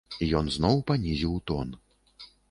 Ён зноў панізіў тон.